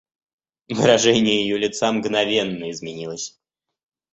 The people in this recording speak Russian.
Выражение ее лица мгновенно изменилось.